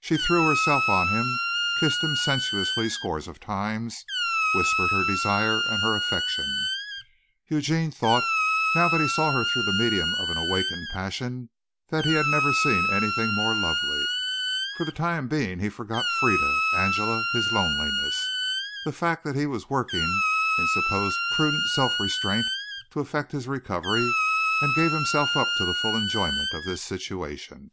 She threw herself on him, kissed him sensuously scores of times, whispered her desire and her affection. Eugene thought, now that he saw her through the medium of an awakened passion, that he had never seen anything more lovely. For the time being he forgot Frieda, Angela, his loneliness, the fact that he was working in supposed prudent self restraint to effect his recovery, and gave himself up to the full enjoyment of this situation.